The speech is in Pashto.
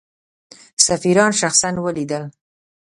سفیران شخصا ولیدل.